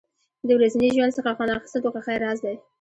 د ورځني ژوند څخه خوند اخیستل د خوښۍ راز دی.